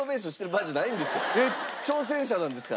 挑戦者なんですから。